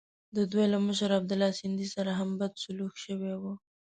د دوی له مشر عبیدالله سندي سره هم بد سلوک شوی وو.